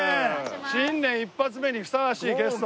新年一発目にふさわしいゲスト。